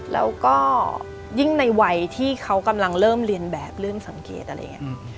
แล้วก็ยิ่งในวัยที่เขากำลังเริ่มเรียนแบบเริ่มสังเกตอะไรอย่างนี้